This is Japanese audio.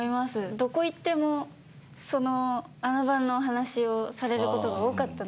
どこ行っても『あな番』のお話をされることが多かったので。